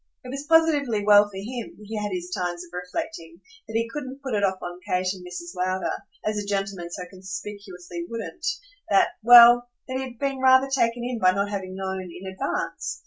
It was positively well for him, he had his times of reflecting, that he couldn't put it off on Kate and Mrs. Lowder, as a gentleman so conspicuously wouldn't, that well, that he had been rather taken in by not having known in advance!